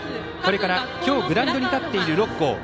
これから、今日グラウンドに立っている６校。